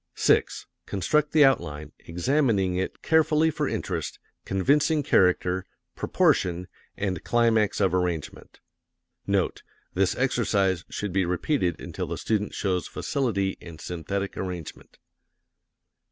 6. Construct the outline, examining it carefully for interest, convincing character, proportion, and climax of arrangement. NOTE: This exercise should be repeated until the student shows facility in synthetic arrangement.